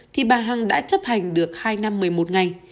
thì bà hằng đã chấp hành được hai năm một mươi một ngày